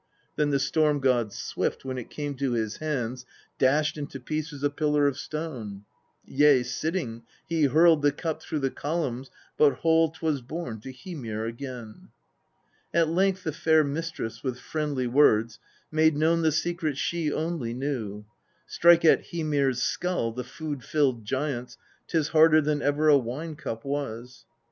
Then the Storm god, swift, when it came to his hands dashed into pieces a pillar of stone : yea, sitting, he hurled the cup through the columns but whole 'twas borne to Hymir again. 31. At length the fair mistress with friendly words made known the secret she only knew :' Strike at Hymir's skull, the food filled giant's, 'tis harder than ever a wine cup was.' 32.